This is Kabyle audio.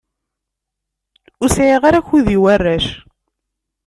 Ur sɛiɣ ara akud i warrac.